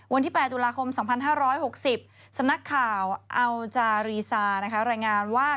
วันที่๘ตุลาคม๒๕๖๐สำนักข่าวอัลจารีซารายงานว่า